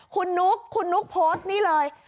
คุณนุ๊กคุณนุ๊กโพสต์นี่เลย